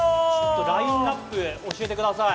ラインナップ、教えてください。